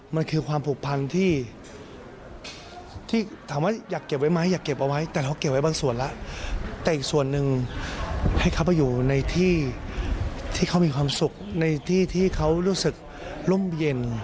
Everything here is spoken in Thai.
มันคือความผูกพันที่ถามว่าอยากเก็บไว้ไหมอยากเก็บเอาไว้แต่เขาเก็บไว้บางส่วนแล้วแต่อีกส่วนหนึ่งให้เขาไปอยู่ในที่ที่เขามีความสุขในที่ที่เขารู้สึกร่มเย็น